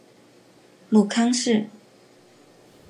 母康氏。